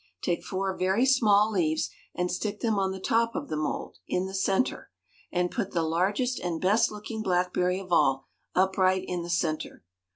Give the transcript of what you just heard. Take four very small leaves and stick them on the top of the mould, in the centre, and put the largest and best looking blackberry of all upright in the centre.